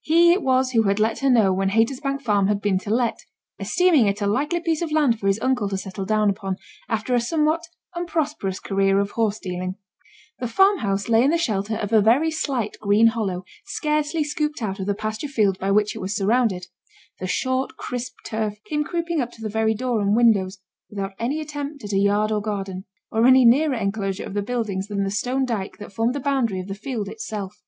He it was who had let her know when Haytersbank Farm had been to let; esteeming it a likely piece of land for his uncle to settle down upon, after a somewhat unprosperous career of horse dealing. The farmhouse lay in the shelter of a very slight green hollow scarcely scooped out of the pasture field by which it was surrounded; the short crisp turf came creeping up to the very door and windows, without any attempt at a yard or garden, or any nearer enclosure of the buildings than the stone dyke that formed the boundary of the field itself.